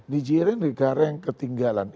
nigeria negara yang ketinggalan